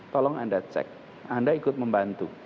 tolong anda cek anda ikut membantu